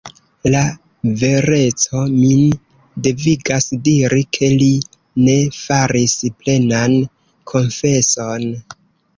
La vereco min devigas diri, ke li ne faris plenan konfeson.